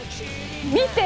見て！